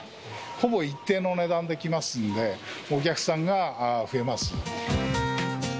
ほぼ一定の値段で来ますんで、お客さんが増えます。